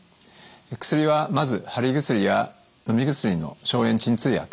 薬はまず貼り薬やのみ薬の消炎鎮痛薬。